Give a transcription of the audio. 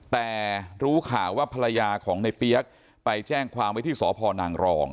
แต่รู้ข่าวว่าภรรยาของในเปี๊ยกไปแจ้งความไว้ที่สพนางรอง